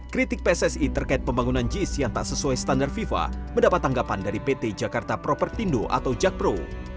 kritik pssi terkait pembangunan jis yang tak sesuai standar fifa mendapat tanggapan dari pt jakarta propertindo atau jakpro